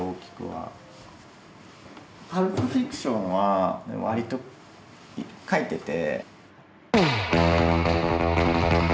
「パルプ・フィクション」はわりと描いてて。